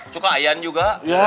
suka ayan juga